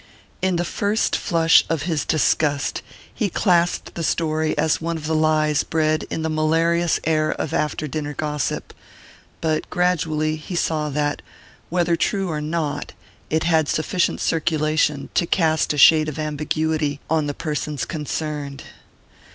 In the first flush of his disgust he classed the story as one of the lies bred in the malarious air of after dinner gossip; but gradually he saw that, whether true or not, it had sufficient circulation to cast a shade of ambiguity on the persons concerned.